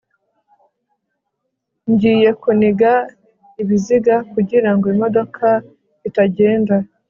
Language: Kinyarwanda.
ngiye kuniga ibiziga kugirango imodoka itagenda